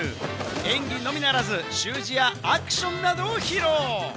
演技のみならず、習字やアクションなどを披露。